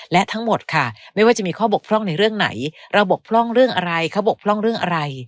และทั้งหมดค่ะไม่ว่าจะมีข้อบกพร่องในเรื่องไหนเราบกพร่องเรื่องอะไรเขาบกพร่องเรื่องอะไร